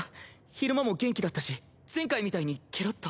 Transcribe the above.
昼間も元気だったし前回みたいにけろっと。